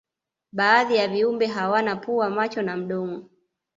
baadhi ya viumbe hawana pua macho na mdomo